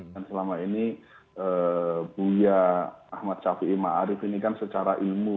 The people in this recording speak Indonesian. dan selama ini buya ahmad syafi'i ma'arif ini kan secara ilmu